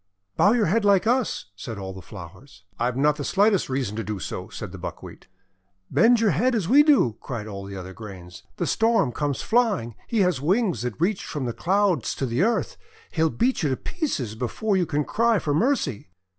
"Bow your head like us!" said all the flowers. "I've not the slightest reason to do so," said the Buckwheat. "Bend your head as we do!" cried all the other grains. 'The Storm comes flying. He has wings that reach from the Clouds to the earth. He'll beat you to pieces before you can cry for mercy."